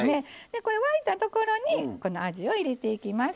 これ沸いたところにこのあじを入れていきます。